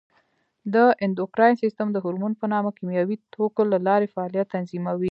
د اندوکراین سیستم د هورمون په نامه کیمیاوي توکو له لارې فعالیت تنظیموي.